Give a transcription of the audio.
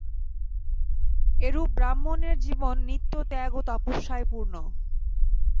এরূপ ব্রাহ্মণের জীবন নিত্য ত্যাগ ও তপস্যায় পূর্ণ।